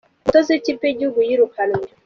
Umutoza wi ikipe yigihugu yirukanywe